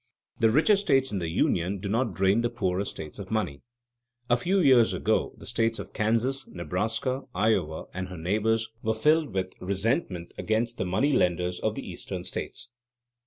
The richer states in the Union do not drain the poorer states of money. A few years ago the states of Kansas, Nebraska, Iowa, and their neighbors were filled with resentment against the money lenders of the Eastern states.